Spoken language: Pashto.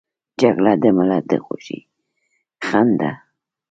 جګړه د ملت د خوښۍ خنډ ده